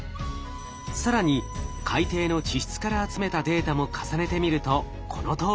更に海底の地質から集めたデータも重ねてみるとこのとおり。